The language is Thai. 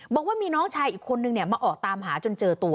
บอกว่ามีน้องชายอีกคนนึงมาออกตามหาจนเจอตัว